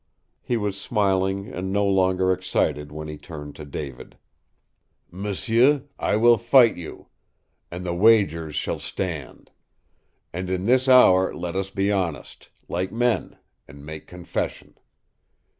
He was smiling and no longer excited when he turned to David. "M'sieu, I will fight you. And the wagers shall stand. And in this hour let us be honest, like men, and make confession.